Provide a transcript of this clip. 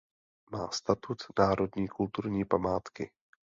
Ma statut národní kulturní památky.